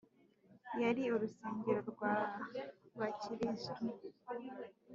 yari urusengero rwa bakirisitu